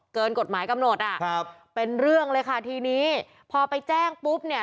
เกินกฎหมายกำหนดอ่ะครับเป็นเรื่องเลยค่ะทีนี้พอไปแจ้งปุ๊บเนี่ย